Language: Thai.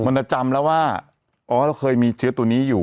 มันจะจำแล้วว่าอ๋อเราเคยมีเชื้อตัวนี้อยู่